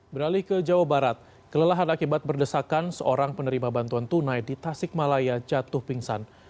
beralih ke jawa barat kelelahan akibat berdesakan seorang penerima bantuan tunai di tasikmalaya jatuh pingsan